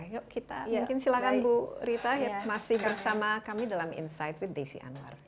yuk kita mungkin silakan bu rita masih bersama kami dalam insight with desi anwar